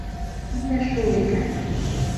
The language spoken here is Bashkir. Һин дә шул икән!